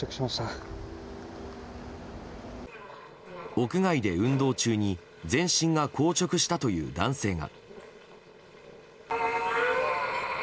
屋外で運動中に全身が硬直したという男性が。